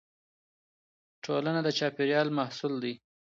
ټولنه د چاپېريال محصول ده.